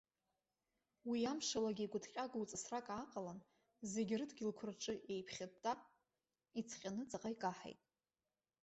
Уи амшалагьы игәыҭҟьагоу ҵысрак ааҟалан, зегьы рыдгьылқәа рҿы иеиԥхьытта, ицҟьаны ҵаҟа иҟаҳаит.